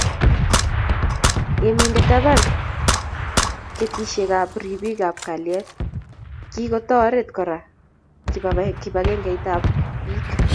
Ye minde taban ketishek ab ripik a kalyet, kikotoret kora kibangengeit ab biik